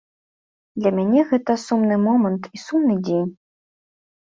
Для мяне гэта сумны момант і сумны дзень.